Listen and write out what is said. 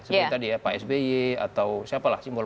seperti tadi ya psby atau siapalah simbol